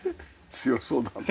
強そうだな。